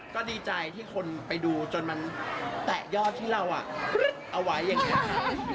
ก็ดีใจที่คนไปดูจนมันแตะยอดที่เราเอาไว้อย่างนี้ค่ะ